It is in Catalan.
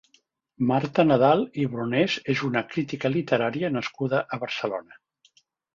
Marta Nadal i Brunès és una crítica literària nascuda a Barcelona.